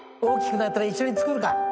大きくなったら一緒に作るか。